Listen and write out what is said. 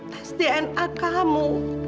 tes dna kamu